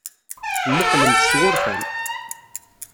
Temmuqqlem-tt s wurfan.